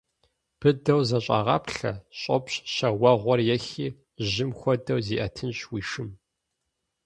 Быдэу зэщӏэгъаплъэ, щӏопщ щэ уэгъуэр ехи, жьым хуэдэу зиӏэтынщ уи шым.